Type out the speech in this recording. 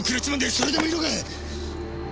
それでもいいのか！